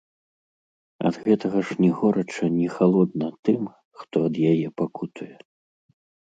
Ад гэтага ж ні горача, ні халодна тым, хто ад яе пакутуе.